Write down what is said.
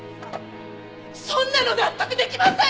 そんなの納得できません！